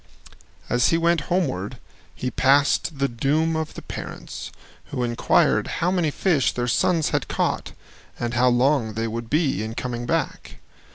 As he went homeward, he passed the doom of the parents, who inquired how many fish their sons had caught and how long they would be in coming back.